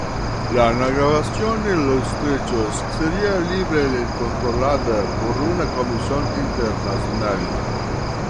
La navegación en los estrechos sería libre y controlada por una comisión internacional.